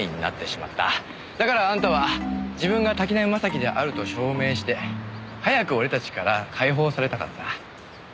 だからあんたは自分が滝浪正輝であると証明して早く俺たちから解放されたかった。